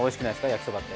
焼きそばって。